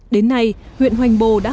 đến nay huyện hoành bồ đã hợp tác